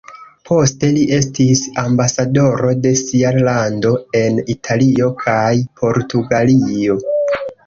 Poste li estis ambasadoro de sia lando en Italio kaj Portugalio.